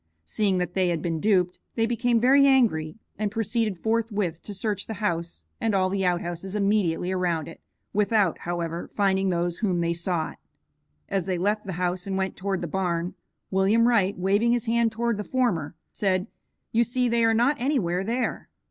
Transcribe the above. Seeing that they had been duped, they became very angry and proceeded forthwith to search the house and all the outhouses immediately around it, without, however, finding those whom they sought. As they left the house and went toward the barn, William Wright, waving his hand toward the former, said, "You see they are not anywhere there."